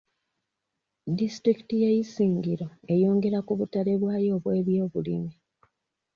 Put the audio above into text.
Disitulikiti y'e Isingiro eyongera ku butale bwayo obw'ebyobulimi.